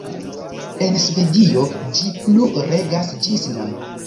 En Svedio ĝi plu regas ĝis nun.